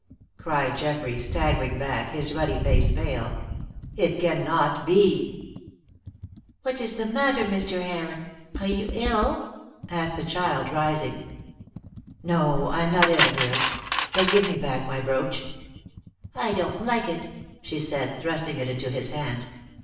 cried Geoffrey, staggering back, his ruddy face pale. "It cannot be!" "What is the matter, Mr. Heron? Are you ill?" asked the child, rising. "No, I am not ill, dear. But give me back my brooch." "I don't like it," she said, thrusting it into his hand.